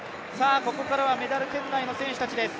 ここからはメダル圏内の選手たちです。